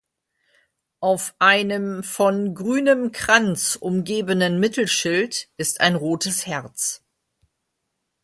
Auf einem von grünem Kranz umgebenen Mittelschild ist ein rotes Herz.